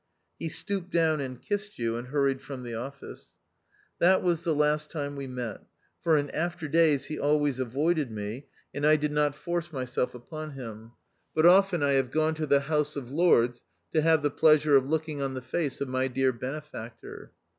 He stooped down and kissed you, and hurried from the office. That was the last time we met, for in after days he al ways avoided me, and I did not force myself THE OUTCAST. 231 upon him; but often I have gone to the House of Lords to have the pleasure of look ing on the face of my dear benefactor.